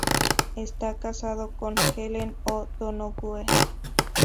Está casado con Helen O'Donoghue.